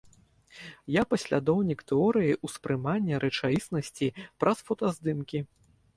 Я паслядоўнік тэорыі ўспрымання рэчаіснасці праз фотаздымкі.